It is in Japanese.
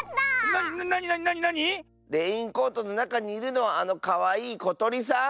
なになになに⁉レインコートのなかにいるのはあのかわいいことりさん！